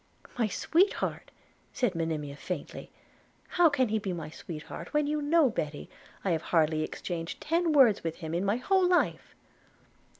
'My sweetheart!' said Monimia faintly; 'how can he be my sweetheart, when you know, Betty, I have hardly exchanged ten words with him in my whole life?'